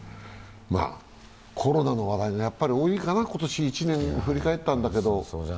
コロナの話題、やっぱり多いかな、今年１年振り返ったんだけど。